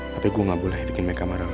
tapi gue gak boleh bikin mereka marah